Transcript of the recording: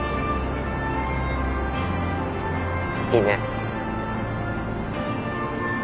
いいね。